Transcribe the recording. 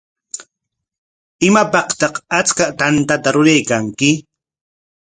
¿Imapaqtaq achka tantata ruraykanki?